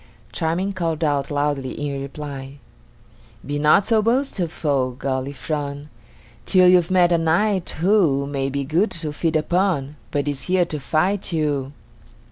Charming called out loudly in reply: "Be not so boastful, Galifron, Till you've met a knight, who May be good to feed upon, But is here to fight you."